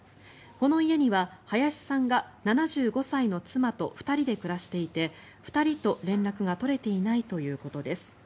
この家には林さんが７５歳の妻と２人で暮らしていて２人と連絡が取れていないということです。